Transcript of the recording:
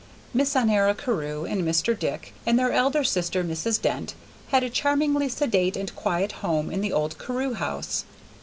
Miss Honora Carew and Mr. Dick and their elder sister, Mrs. Dent, had a charmingly sedate and quiet home in the old Carew house.